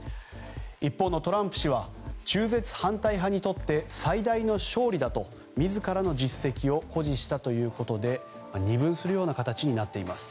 一方のトランプ氏は中絶反対派にとって最大の勝利だと、自らの実績を誇示したということで二分するような形になっています。